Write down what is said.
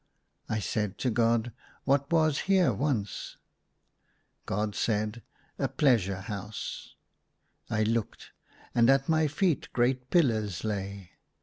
I said to God, " What was here once ?" God said, " A pleasure house." I looked, and at my feet great pillars lay.